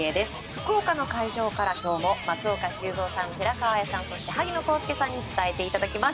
福岡の会場から今日も松岡修造さん寺川綾さん、そして萩野公介さんに伝えてもらいます。